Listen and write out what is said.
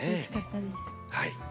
はい。